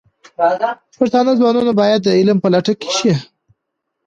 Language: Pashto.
پښتانه ځوانان باید د علم په لټه کې شي.